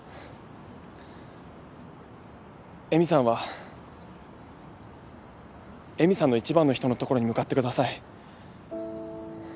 恵美さんは恵美さんの一番の人のところに向かってください。